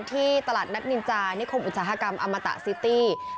ที่ตลาดนัดนินจานิคมอุตสาหกรรมอมตะซิตี้